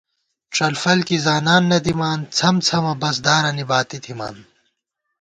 ڄلفل کی زانان نہ دِمان ، څھمڅھمہ بس دارَنی باتی تھِمان